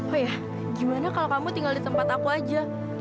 oh ya gimana kalau kamu tinggal di tempat aku aja